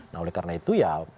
nah oleh karena itu ya